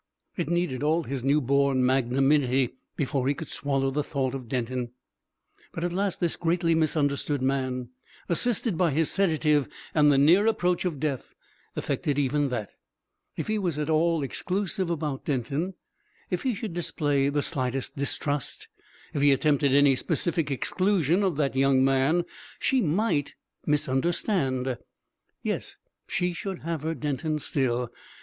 It needed all his newborn magnanimity before he could swallow the thought of Denton; but at last this greatly misunderstood man, assisted by his sedative and the near approach of death, effected even that. If he was at all exclusive about Denton, if he should display the slightest distrust, if he attempted any specific exclusion of that young man, she might misunderstand. Yes she should have her Denton still.